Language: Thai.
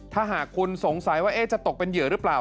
ถ้าหากคุณสงสัยว่าจะตกเป็นเหยื่อหรือเปล่า